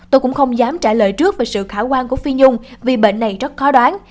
tôi cũng không dám trả lời trước về sự khả quan của phi dung vì bệnh này rất khó đoán